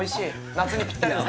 夏にぴったりの。